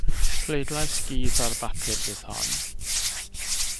Pleidlais gudd ar bapur fydd hon.